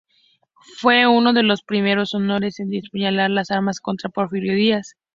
Fue uno de los primeros Sonorenses en empuñar las armas contra Porfirio Díaz.